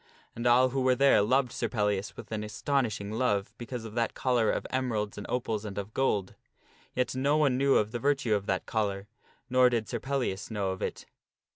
And all who were there loved Sir Pellias with an astonishing love be cause of that collar of emeralds and opals and of gold. Yet no one knew of the virtue of that collar, nor did Sir Pellias know of it.